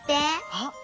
あっ！